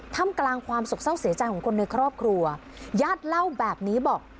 ทำกลางความสกเศร้าเสียใจของคนในครอบครัวญาติเล่าแบบนี้บอก